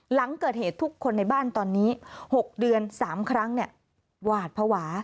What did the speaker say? หลังเกิดเหตุทุกคนในบ้านตอนนี้๖เดือน๓ครั้งหวาดภาวะ